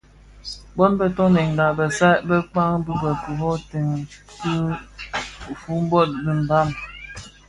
Bō toňdènga besan be kpag bë kitoňèn ki Fumbot dhi Mbam.